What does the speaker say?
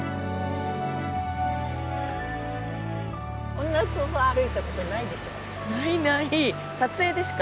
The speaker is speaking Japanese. こんなとこ歩いたことないでしょう？